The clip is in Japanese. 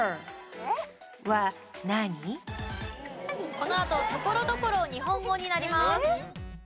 このあとところどころ日本語になります。